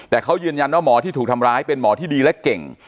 แต่เขายืนยันว่าหมอที่ถูกทำร้ายเป็นหมอที่ดีและเก่ง